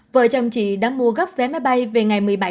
vợ chồng chị đã mua góp vé máy bay về ngày một mươi bảy tháng chín